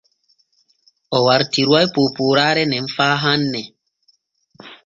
O wartiruway poopooraare nen faa fahin.